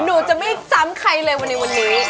หนูจะไม่จำใครเลยวันในวันนี้